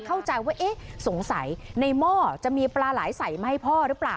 เข้าใจว่าเอ๊ะสงสัยในหม้อจะมีปลาไหลใส่มาให้พ่อหรือเปล่า